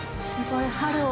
すごい！